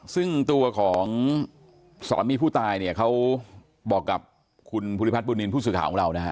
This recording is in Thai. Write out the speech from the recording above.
ซึ่งตัวของสามีผู้ตายเนี่ยเขาบอกกับคุณภูริพัฒนบุญนินทร์ผู้สื่อข่าวของเรานะฮะ